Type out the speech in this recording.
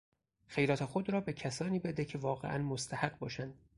خیرات خود را به کسانی بده که واقعا مستحق باشند.